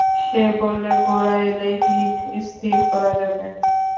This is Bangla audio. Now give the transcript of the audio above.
সে বললে, গোরা এলেই দিন স্থির করা যাবে।